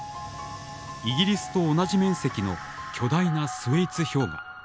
イギリスと同じ面積の巨大なスウェイツ氷河。